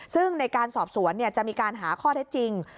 ซึ่งในการสอบสวนจะมีการหาข้อเท็จจริง